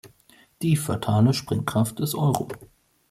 Die fatale Sprengkraft des Euro.